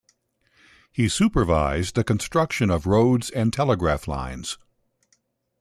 He supervised the construction of roads and telegraph lines.